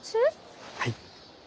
はい。